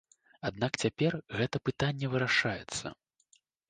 Аднак цяпер гэта пытанне вырашаецца.